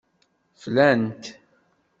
Flan-t.